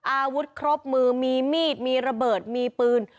อาวุธครบมือมีมีดมีระเบิดมีปืน